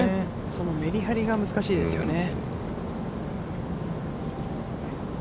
そのめり張りが難しいですよね。